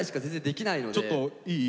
ちょっといい？